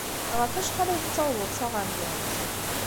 Ɣef wacḥal ay tettawḍeḍ s aɣerbaz?